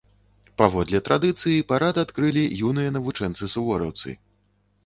Паводле традыцыі, парад адкрылі юныя навучэнцы-сувораўцы.